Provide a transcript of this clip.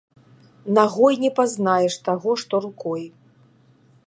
Нагой не пазнаеш таго, што рукой.